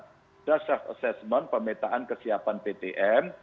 sudah self assessment pemetaan kesiapan ptm